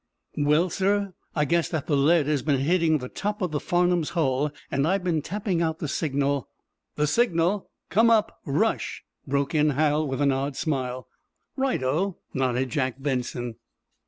"Well, sir, I guess that the lead has been hitting the top of the 'Farnum's' hull, and I've been tapping out the signal—" "The signal, 'Come up—rush!'" broke in Hal, with an odd smile. "Right o," nodded Jack Benson.